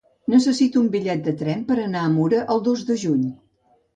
Necessito un bitllet de tren per anar a Mura el dos de juny.